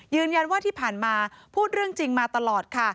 ยืนยันว่าที่ผ่านมาพูดเรื่องจริงมาตลอดค่ะ